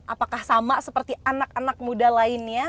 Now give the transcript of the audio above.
apakah sama seperti anak anak muda lainnya